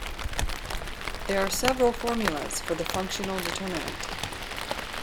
There are several formulas for the functional determinant.